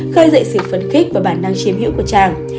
khơi dậy sự phấn khích và bản năng chiếm hiểu của chàng